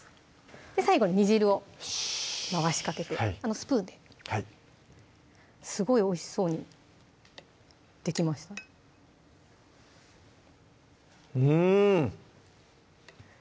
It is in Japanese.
最後に煮汁を回しかけてスプーンですごいおいしそうにできましたうん！